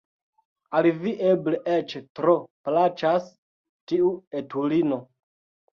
Al vi eble eĉ tro plaĉas tiu etulino!